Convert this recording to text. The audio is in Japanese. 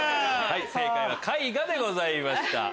正解は「絵画」でございました。